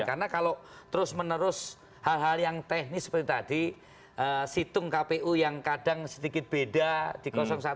karena kalau terus menerus hal hal yang teknis seperti tadi situng kpu yang kadang sedikit beda di satu dua